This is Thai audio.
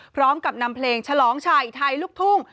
พร้อมกับนำเพลงฉลองชัยไทยลูกทุ่ง